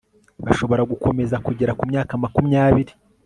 bashobora gukomeza kugeza ku myaka makumyabiri